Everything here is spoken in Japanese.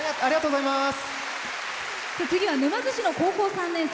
次は沼津市の高校３年生。